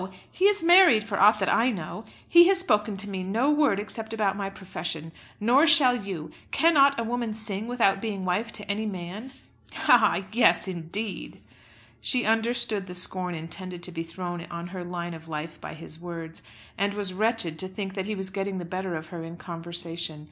He is married for aught that I know. He has spoken to me no word except about my profession. Nor shall you. Cannot a woman sing without being wife to any man?" "Ha, ha, yes indeed!" She understood the scorn intended to be thrown on her line of life by his words, and was wretched to think that he was getting the better of her in conversation.